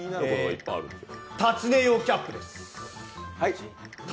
立ち寝用キャップです。